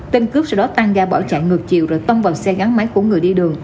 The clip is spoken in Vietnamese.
tên cướp sau đó tăng ga bỏ chạy ngược chiều rồi tông vào xe gắn máy của người đi đường